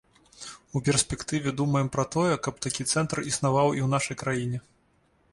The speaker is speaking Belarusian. У перспектыве думаем пра тое, каб такі цэнтр існаваў і ў нашай краіне.